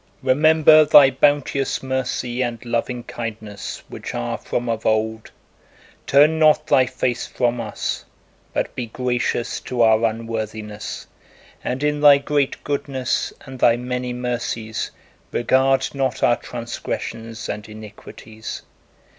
Remember Thy bounteous mercy and loving kindness which are from of old; turn not Thy face from us, but be gracious to our unworthiness, and in Thy great goodness and Thy many mercies regard not our transgressions and iniquities!